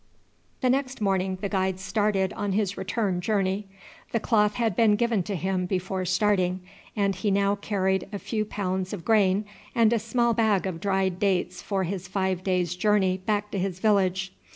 The next morning the guide started on his return journey. The cloth had been given to him before starting, and he now carried a few pounds of grain and a small bag full of dried dates for his five days' journey back to his village.